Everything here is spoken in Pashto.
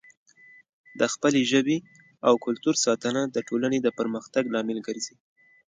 د خپلې ژبې او کلتور ساتنه د ټولنې د پرمختګ لامل ګرځي.